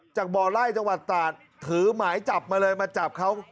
จากบ่อไล่จังหวัดตราดถือหมายจับมาเลยมาจับเขา